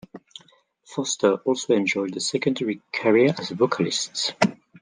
Foster also enjoyed a secondary career as a vocalist.